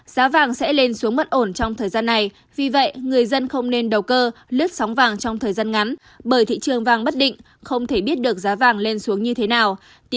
giá vàng sẽ lên xuống bất ổn trong thời gian này vì vậy người dân không nên đầu cơ lướt sóng vàng trong thời gian ngắn bởi thị trường vàng bất định không thể biết được giá vàng lên xuống như thế nào